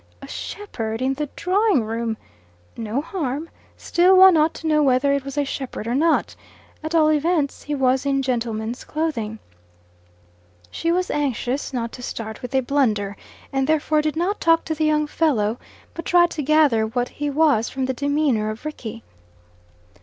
A shepherd in the drawing room! No harm. Still one ought to know whether it was a shepherd or not. At all events he was in gentleman's clothing. She was anxious not to start with a blunder, and therefore did not talk to the young fellow, but tried to gather what he was from the demeanour of Rickie.